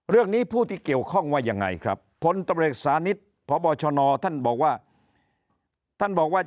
เรื่องนี้ผู้ที่เกี่ยวข้องว่ายังไงครับผลตำรักษณิษฐ์พบชนท่านบอกว่า